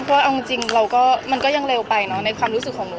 เพราะว่าเอาจริงมันก็ยังเร็วไปเนอะในความรู้สึกของหนู